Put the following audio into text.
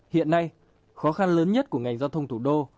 hiện nay khó khăn lớn nhất của ngành giao thông thủ đô